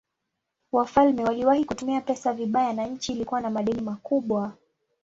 Wafalme waliwahi kutumia pesa vibaya na nchi ilikuwa na madeni makubwa.